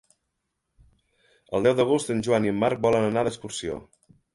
El deu d'agost en Joan i en Marc volen anar d'excursió.